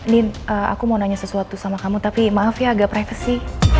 nin aku mau nanya sesuatu sama kamu tapi maaf ya agak privacy